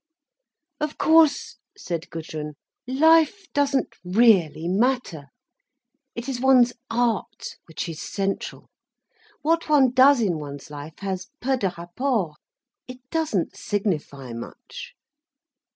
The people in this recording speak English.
"Of course," said Gudrun, "life doesn't really matter—it is one's art which is central. What one does in one's life has peu de rapport, it doesn't signify much."